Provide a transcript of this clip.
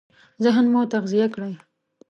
ذهن مو تغذيه کړئ!